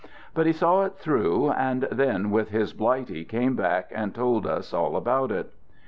But he saw it through, and then with his blighty came back and told us all about it.